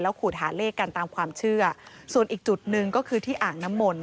ขูดหาเลขกันตามความเชื่อส่วนอีกจุดหนึ่งก็คือที่อ่างน้ำมนต